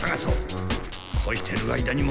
こうしている間にも。